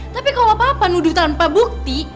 tapi kalau papa nudu tanpa bukti